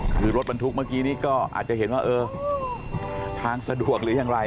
คือรถบรรทุกเมื่อกี้นี้ก็อาจจะเห็นว่าเออทางสะดวกหรือยังไร